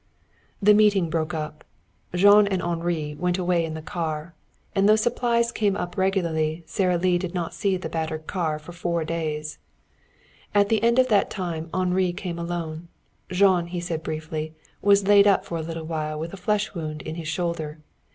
The meeting broke up. Jean and Henri went away in the car, and though supplies came up regularly Sara Lee did not see the battered gray car for four days. At the end of that time Henri came alone. Jean, he said briefly, was laid up for a little while with a flesh wound in his shoulder.